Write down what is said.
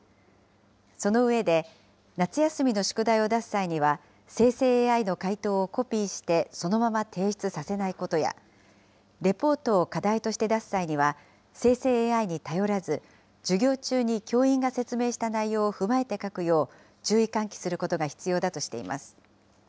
その上で、夏休みの宿題を出す際には、生成ＡＩの回答をコピーして、そのまま提出させないことや、レポートを課題として出す際には、生成ＡＩに頼らず、授業中に教員が説明した内容を踏まえて書くよう、注意喚起することが必要だとしています。